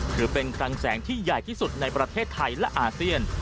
ถือเป็นคลังแสงที่ใหญ่ที่สุดในประเทศไทยและอาเซียน